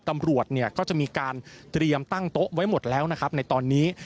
ตำรวจเนี่ยก็จะมีการเตรียมตั้งโต๊ะไว้หมดแล้วนะครับในตอนนี้